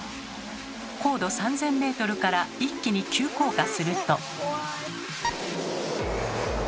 高度３，０００ｍから一気に急降下すると。